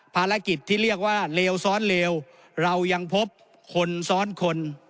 ภารกิจที่เรียกว่าเลวซ้อนเลวเรายังพบคนซ้อนคน